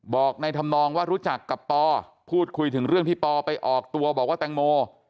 ในธรรมนองว่ารู้จักกับปอพูดคุยถึงเรื่องที่ปอไปออกตัวบอกว่าแตงโม